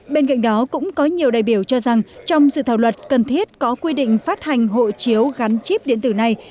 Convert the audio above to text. bên cạnh đó cũng có nhiều đại biểu cho rằng trong dự thảo luật cần thiết có quy định phát hành hộ chiếu gắn chip điện tử này